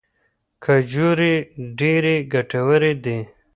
کجورې ډیرې ګټورې دي.